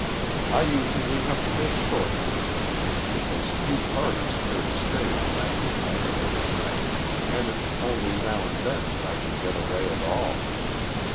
I usually have to make short visits, because few parties care to stay on McIntyre over night, and it's only now and then that I can get away at all.